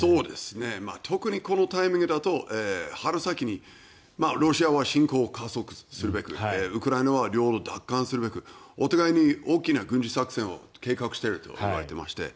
特にこのタイミングだと春先にロシアは侵攻を加速すべくウクライナは領土を奪還するべくお互いに大きな軍事作戦を計画しているといわれていまして